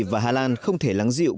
và hà lan không thể lắng dịu